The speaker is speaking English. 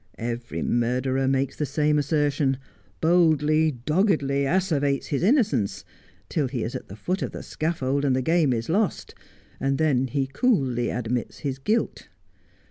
Every murderer makes the same assertion ; boldly, doggedly, asseverates his innocence ; till he is at the foot of the scaffold and the game is lost, and then he coolly admits his guilt.